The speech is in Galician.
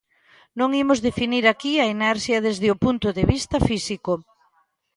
Non imos definir aquí a inercia desde o punto de vista físico.